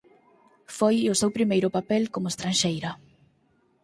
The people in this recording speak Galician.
Foi o seu primeiro papel como estranxeira.